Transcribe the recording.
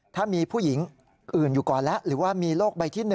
ถ้ามีผู้หญิงอื่นอยู่ก่อนแล้วหรือว่ามีโรคใบที่๑